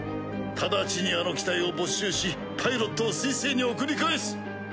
直ちにあの機体を没収しパイロットを水星に送り返す。